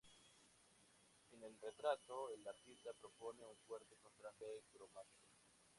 En el retrato el artista propone un fuerte contraste cromático.